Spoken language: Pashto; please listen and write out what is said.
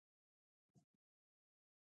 دلته صنعتي او کیمیاوي انجینران پکار دي.